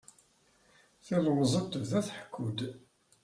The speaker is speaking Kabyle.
Tilemẓit tebda tḥekku-d.